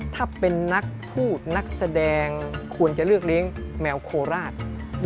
ถ้าเป็นนักพูดนักแสดงควรจะเลือกเลี้ยงแมวโคราช